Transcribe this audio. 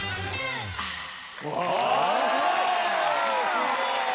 すごい！